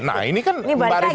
nah ini kan mbak rifana